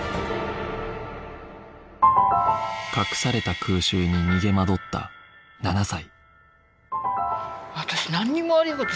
隠された空襲に逃げ惑った７歳